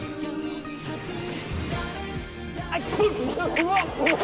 うわうわ！